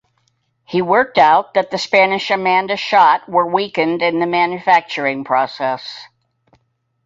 He worked out that the Spanish Amanda shot were weakened in the manufacturing process.